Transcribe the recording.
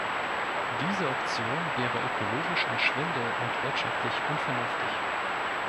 Diese Option wäre ökologisch ein Schwindel und wirtschaftlich unvernünftig.